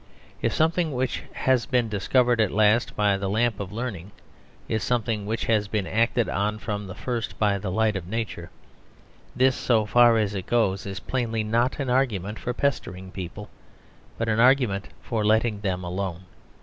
If something which has been discovered at last by the lamp of learning is something which has been acted on from the first by the light of nature, this (so far as it goes) is plainly not an argument for pestering people, but an argument for letting them alone.